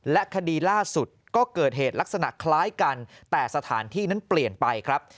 และคดีล่าสุดก็เกิดเหตุลักษณะคล้ายกันแต่สถานที่นั้นเปลี่ยนไปครับ